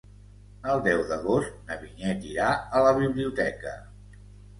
El deu d'agost na Vinyet irà a la biblioteca.